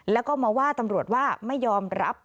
แล้วก็มาว่าตำรวจว่าไม่ยอมรับ